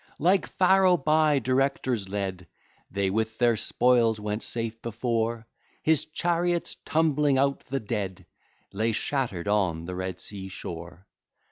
Like Pharaoh, by directors led, They with their spoils went safe before; His chariots, tumbling out the dead, Lay shatter'd on the Red Sea shore.